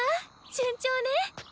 順調ね。